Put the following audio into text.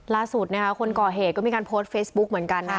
ล่าสุดนะคะคนก่อเหตุก็มีการโพสต์เฟซบุ๊กเหมือนกันนะคะ